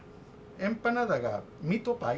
エンパナーダがミートパイ。